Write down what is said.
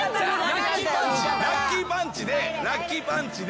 ラッキーパンチラッキーパンチでラッキーパンチで。